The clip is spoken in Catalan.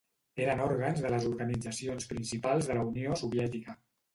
Eren òrgans de les organitzacions principals de la Unió Soviètica.